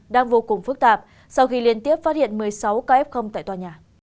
đang vô cùng phức tạp sau khi liên tiếp phát hiện một mươi sáu kf tại tòa nhà